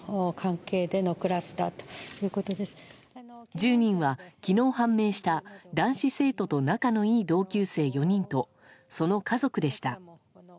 １０人は昨日判明した男子生徒と仲のいい同級生４人とその家族でした。